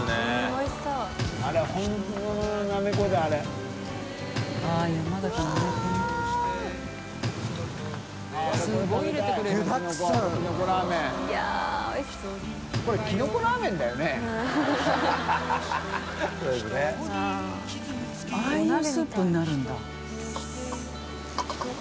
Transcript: おいしそうだな。